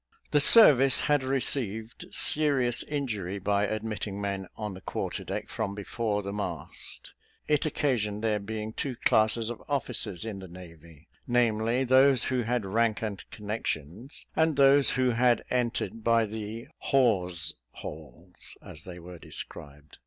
The service had received serious injury by admitting men on the quarter deck from before the mast; it occasioned there being two classes of officers in the navy namely, those who had rank and connections, and those who had entered by the "hawse holes," as they were described.